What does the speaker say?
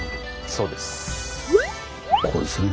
そうです。